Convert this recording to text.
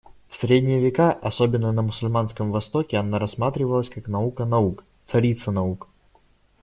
В Средние века, особенно на мусульманском Востоке она рассматривалась как наука наук, царица наук.